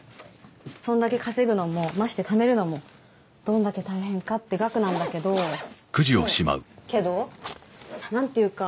そんだけ稼ぐのもましてためるのもどんだけ大変かって額なんだけどはいけど？なんていうか